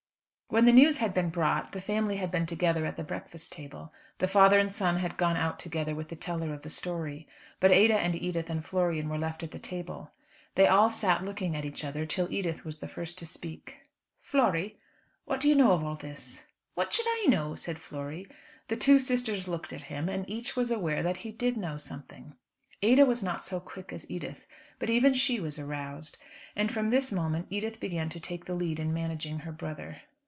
When the news had been brought, the family had been together at the breakfast table. The father and son had gone out together with the teller of the story. But Ada and Edith and Florian were left at the table. They all sat looking at each other till Edith was the first to speak. "Flory, what do you know of all this?" "What should I know?" said Flory. The two sisters looked at him, and each was aware that he did know something. Ada was not so quick as Edith, but even she was aroused. And from this moment Edith began to take the lead in managing her brother.